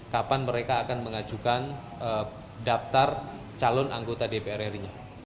kapan mereka akan mengajukan daftar calon anggota dpr ri nya